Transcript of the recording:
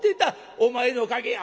お前のおかげや。